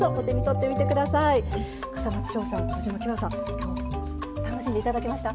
今日楽しんでいただけました？